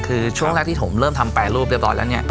คือช่วงแรกที่ผมเริ่มทำแปรรูปเรียบร้อยแล้วเนี่ย